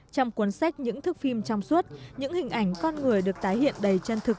trong cuốn sách những thức phim trong suốt những hình ảnh con người được tái hiện đầy chân thực